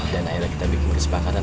dan akhirnya kita bikin kesepakatan